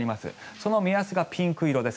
その目安がピンク色です。